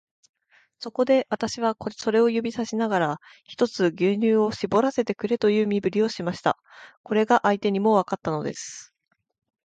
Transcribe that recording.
そこで、私はそれを指さしながら、ひとつ牛乳をしぼらせてくれという身振りをしました。これが相手にもわかったのです。